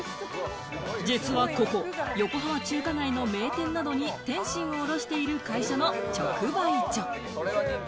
実はここ、横浜中華街の名店などに点心を卸している会社の直売所。